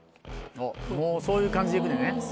おっもうそういう感じで行くねんね。